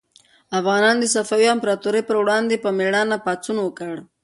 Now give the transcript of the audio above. افغانانو د صفوي امپراطورۍ پر وړاندې په مېړانه پاڅون وکړ.